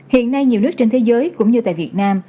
hiện nay nhiều nước trên thế giới cũng như tại việt nam